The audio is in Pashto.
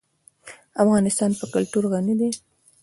افغانستان په کلتور غني دی.